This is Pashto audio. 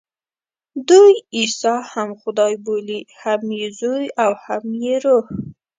دوی عیسی هم خدای بولي، هم یې زوی او هم یې روح.